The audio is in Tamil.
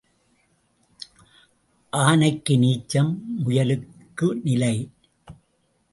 ஆனைக்கு நீச்சம், முயலுக்கு நிலை.